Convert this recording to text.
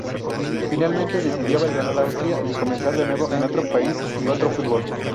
Finalmente decidió abandonar Austria y comenzar de nuevo en otro país y otro fútbol.